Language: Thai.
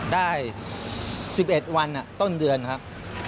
ได้๑๑วันต้นเดือนครับ